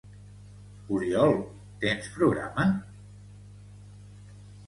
—Oriol, tens programa?